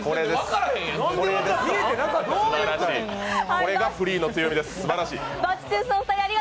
これがフリーの強みです、すばらしい。